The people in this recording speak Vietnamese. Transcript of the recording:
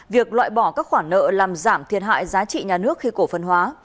việc loại bỏ các khoản nợ làm giảm thiệt hại giá trị nhà nước khi cổ phần hóa